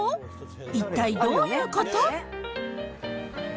一体どういうこと？